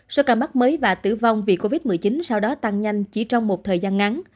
số ca mắc mới và tử vong vì covid một mươi chín sau đó tăng nhanh chỉ trong một thời gian ngắn